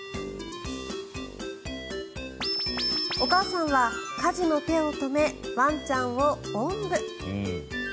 お母さんは家事の手を止めワンちゃんをおんぶ。